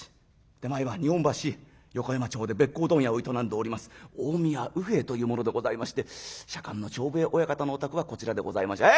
手前は日本橋横山町で鼈甲問屋を営んでおります近江屋卯兵衛という者でございまして左官の長兵衛親方のお宅はこちらでございましょう」。